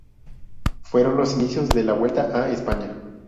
Fueron los inicios de la Vuelta a España.